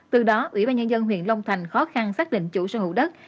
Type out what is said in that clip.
từ đó ủy ban nhân dân huyện long thành khó khăn xác định chủ sở hữu đất